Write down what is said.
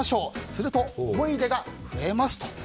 すると思い出が増えますと。